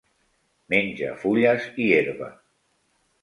Menja fulles i herba.